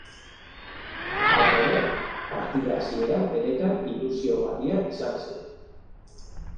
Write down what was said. Hala ere, partida hasiera benetan ilusiogarria izan zen.